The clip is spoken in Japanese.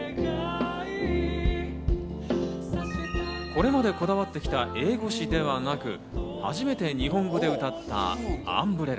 これまでこだわってきた英語詞ではなく、初めて日本語で歌った『Ｕｍｂｒｅｌｌａ』。